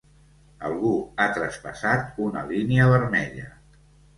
Algú ha traspassat una línia vermella.